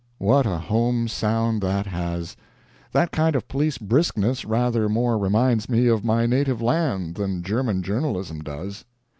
What a home sound that has. That kind of police briskness rather more reminds me of my native land than German journalism does.